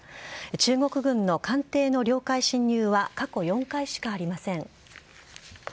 中国軍の艦艇の領海侵入は過去４回しかありません。